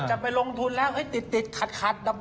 จะไปลงทุนแล้วติดขัด